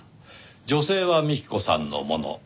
女性は幹子さんのもの。